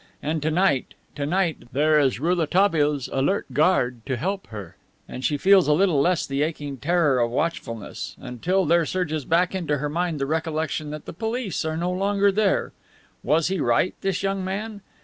And to night, to night there is Rouletabille's alert guard to help her, and she feels a little less the aching terror of watchfulness, until there surges back into her mind the recollection that the police are no longer there. Was he right, this young man?